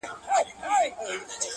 له یوه کلي تر بله؛ هديرې د ښار پرتې دي؛